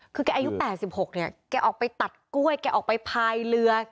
คือแกอายุ๘๖เนี่ยแกออกไปตัดกล้วยแกออกไปพายเรือ